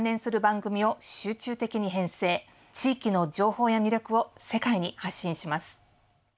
地域の情報や魅力を世界に発信します。